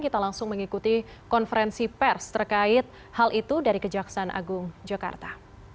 kita langsung mengikuti konferensi pers terkait hal itu dari kejaksaan agung jakarta